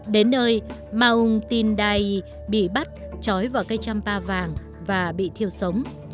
đến nơi maung tindai bị bắt chói vào cây champa vàng và bị thiêu sống